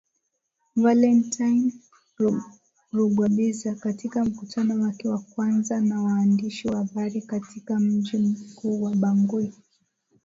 Valentine Rugwabiza katika mkutano wake wa kwanza na waandishi wa habari katika mji mkuu Bangui